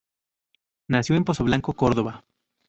Nació en Pozoblanco, Córdoba.